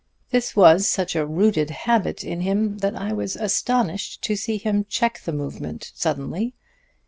This was such a rooted habit in him that I was astonished to see him check the movement suddenly.